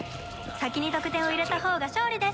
先に得点を入れたほうが勝利です。